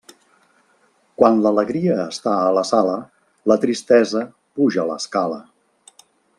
Quan l'alegria està a la sala, la tristesa puja l'escala.